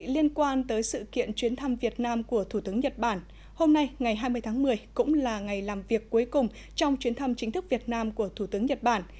liên quan tới sự kiện chuyến thăm việt nam của thủ tướng nhật bản hôm nay ngày hai mươi tháng một mươi cũng là ngày làm việc cuối cùng trong chuyến thăm chính thức việt nam của thủ tướng nhật bản